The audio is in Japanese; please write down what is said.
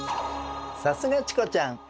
さすがチコちゃん！